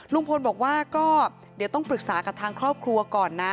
ลุงพลบอกว่าก็เดี๋ยวต้องปรึกษากับทางครอบครัวก่อนนะ